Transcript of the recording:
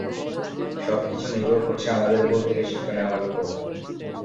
সবকিছু নির্ভর করছে আমাদের ভুল থেকে শিক্ষা নেওয়ার উপর।